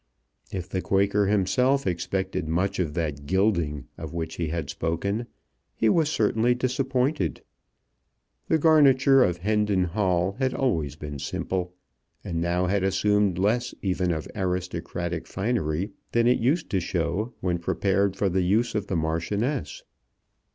If the Quaker himself expected much of that gilding of which he had spoken he was certainly disappointed. The garniture of Hendon Hall had always been simple, and now had assumed less even of aristocratic finery than it used to show when prepared for the use of the Marchioness.